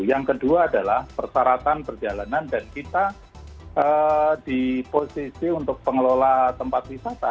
yang kedua adalah persyaratan perjalanan dan kita di posisi untuk pengelola tempat wisata